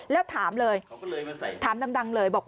แล้วถามเลยถามดังเลยบอก